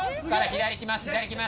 左いきます